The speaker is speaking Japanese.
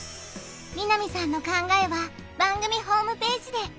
みなみさんの考えは番組ホームページで！